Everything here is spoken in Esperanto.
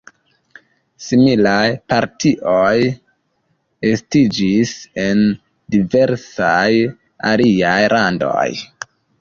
Similaj partioj estiĝis en diversaj aliaj landoj.